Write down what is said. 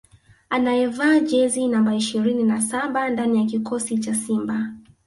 anayevaa jezi namba ishirini na saba ndani ya kikosi cha Simba